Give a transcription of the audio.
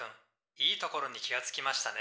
いいところに気が付きましたね」。